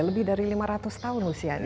lebih dari lima ratus tahun usianya